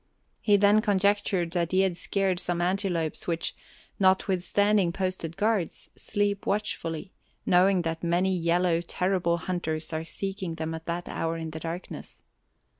He then conjectured that he had scared some antelopes which, notwithstanding posted guards, sleep watchfully, knowing that many yellow, terrible hunters are seeking them at that hour in the darkness.